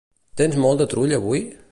Tens molt de trull avui?